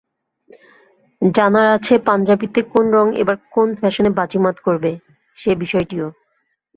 জানার আছে পাঞ্জাবিতে কোন রং এবার ফ্যাশনে বাজিমাত করবে, সে বিষয়টিও।